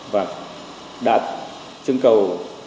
và đã chứng cầu